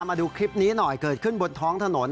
มาดูคลิปนี้หน่อยเกิดขึ้นบนท้องถนน